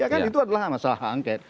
ya kan itu adalah masalah hak angket